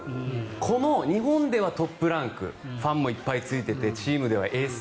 この日本ではトップランクファンもいっぱいついていてチームではエース。